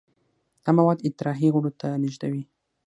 دا مواد اطراحي غړو ته لیږدوي.